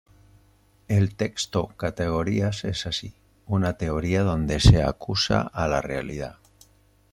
El texto "Categorías" es así una teoría donde se "acusa" a la realidad.